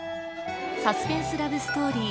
サスペンスラブストーリー